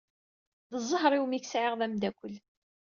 D ẓẓher-iw mi k-sɛiɣ d amdakel.